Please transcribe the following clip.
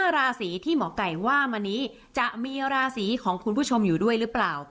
ราศีที่หมอไก่ว่ามานี้จะมีราศีของคุณผู้ชมอยู่ด้วยหรือเปล่า